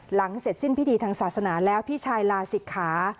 หลังเสร็จสิ้นพิธีทางศาสนาแล้วพี่ชายลาศิกขา